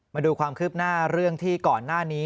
มาดูความคืบหน้าเรื่องที่ก่อนหน้านี้